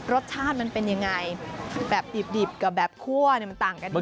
รสชาติมันเป็นยังไงแบบดิบกับแบบคั่วมันต่างกันดี